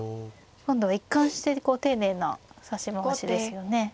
今度は一貫してこう丁寧な指し回しですよね。